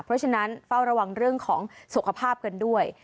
เพราะฉะนั้นเฝ้าระวังเรื่องของสุขภาพกันด้วย